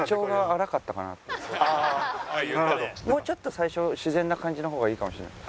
もうちょっと最初自然な感じの方がいいかもしれない。